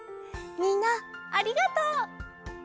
みんなありがとう。